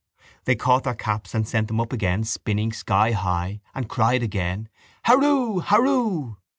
They caught their caps and sent them up again spinning skyhigh and cried again: —Hurroo! Hurroo!